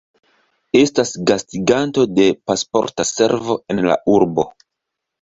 Estas gastiganto de Pasporta Servo en la urbo.